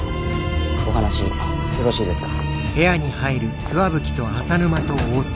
お話よろしいですか？